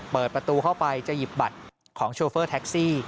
เปิดประตูเข้าไปจะหยิบบัตรของโชเฟอร์แท็กซี่